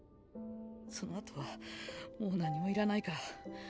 そのあとはもう何もいらないから。